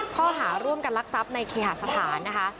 ข้อหาร่วมกันลักทรัพย์ในเคหาสถานนะคะ